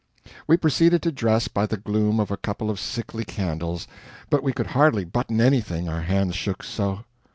We proceeded to dress by the gloom of a couple sickly candles, but we could hardly button anything, our hands shook so.